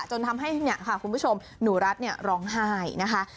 จนทำให้เนี่ยค่ะคุณผู้ชมหนูรัฐร้องไห้นะคะ